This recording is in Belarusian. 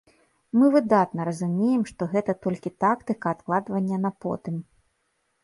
Мы выдатна разумеем, што гэта толькі тактыка адкладвання на потым.